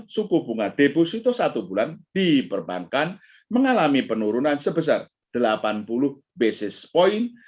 suku bunga deposito satu bulan di perbankan mengalami penurunan sebesar delapan puluh basis point